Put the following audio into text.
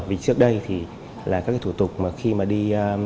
vì trước đây thì là các cái thủ tục mà khi mà đi